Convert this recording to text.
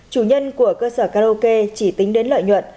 chủ nhân của cơ sở karaoke chỉ tính đến lợi nhuận